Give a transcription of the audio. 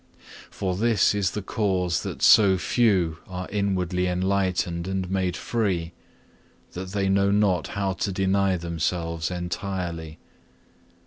For this is the cause that so few are inwardly enlightened and made free, that they know not how to deny themselves entirely.